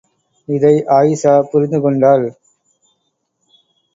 இதை ஆயிஷா புரிந்துகொண்டாள்.